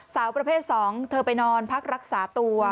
สาวประเภท๒เธอไปนอนพักรักษาตัว